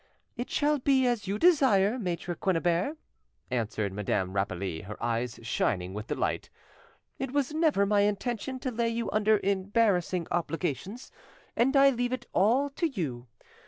"It shall be as you desire, Maitre Quennebert," answered Madame Rapally, her eyes shining with delight. "It was never my intention to lay you under embarrassing obligations, and I leave it all to you.